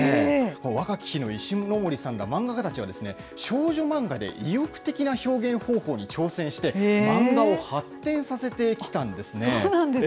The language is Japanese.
若き日の石ノ森さんらが漫画家たちは少女漫画で意欲的な表現方法に挑戦して、漫画を発展させてきたんですね。